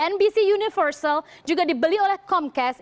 nbc universal juga dibeli oleh komcas